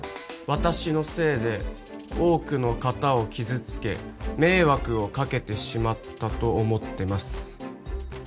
私のせいで多くの方を傷つけ迷惑をかけてしまったと思ってます